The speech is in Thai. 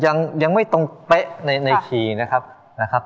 ทางพียังแต่ยังยังไม่ตรงแป้บได้นะครับนะครับ